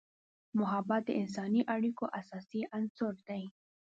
محبت د انسانی اړیکو اساسي عنصر دی.